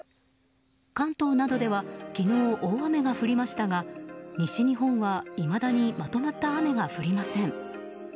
関東などでは昨日、大雨が降りましたが西日本はいまだにまとまった雨が降りません。